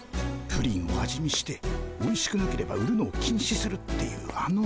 プリンを味見しておいしくなければ売るのを禁止するっていうあの。